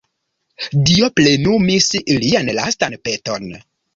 Dio plenumis lian lastan peton.